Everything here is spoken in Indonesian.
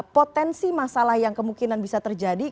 potensi masalah yang kemungkinan bisa terjadi